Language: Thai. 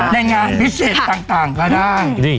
ในงานพิเศษต่างก็ได้